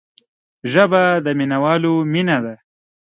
ژبه د مینوالو مینه ده